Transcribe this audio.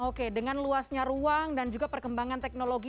oke dengan luasnya ruang dan juga perkembangan teknologi